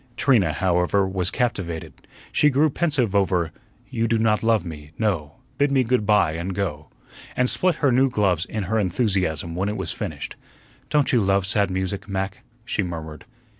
Trina, however, was captivated. She grew pensive over "You do not love me no; Bid me good by and go;" and split her new gloves in her enthusiasm when it was finished. "Don't you love sad music, Mac?" she murmured.